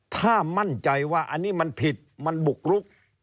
ถ้ามั่นใจว่าอันนี้มันผิดมันบุกรุก